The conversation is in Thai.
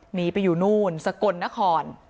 หนีไปอยู่นู่นสกลนคร